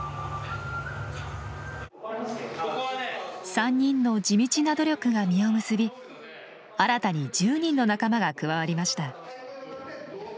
３人の地道な努力が実を結び新たに１０人の仲間が加わりました。